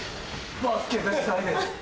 バスケがしたいです。